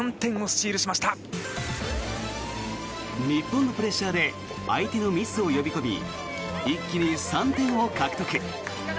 日本のプレッシャーで相手のミスを呼び込み一気に３点を獲得。